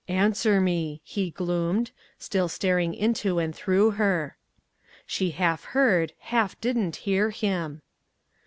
"Answer me," he gloomed, still gazing into and through her. She half heard half didn't hear him.